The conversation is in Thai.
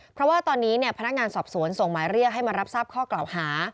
เพราะว่าตอนนี้พนักงานสอบสวนส่งหมายเรียกให้มารับทราบข้อกล่าวหา